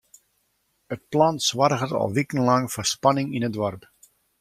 It plan soarget al wikenlang foar spanning yn it doarp.